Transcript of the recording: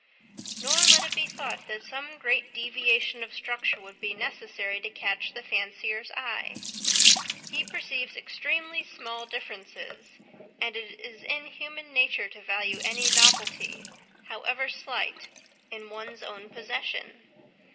Nor let it be thought that some great deviation of structure would be necessary to catch the fancier's eye: he perceives extremely small differences, and it is in human nature to value any novelty, however slight, in one's own possession.